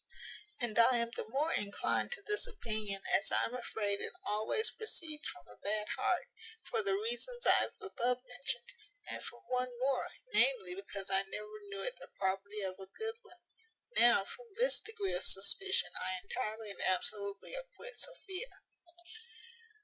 And I am the more inclined to this opinion, as I am afraid it always proceeds from a bad heart, for the reasons I have above mentioned, and for one more, namely, because I never knew it the property of a good one. Now, from this degree of suspicion I entirely and absolutely acquit Sophia.